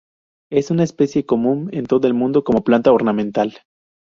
Es una especie común en todo el mundo como planta ornamental.